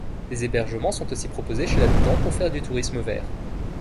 Des hébergements sont aussi proposés chez l’habitant pour faire du tourisme vert.